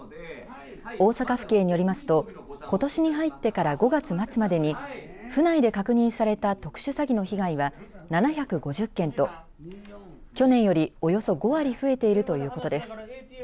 大阪府警によりますとことしに入ってから５月末までに府内で確認された特殊詐欺の被害は７５０件と去年より、およそ５割増えているということです。